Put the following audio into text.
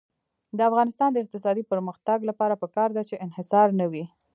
د افغانستان د اقتصادي پرمختګ لپاره پکار ده چې انحصار نه وي.